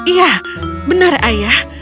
iya benar ayah